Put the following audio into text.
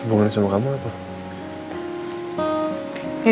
hubungannya sama kamu apa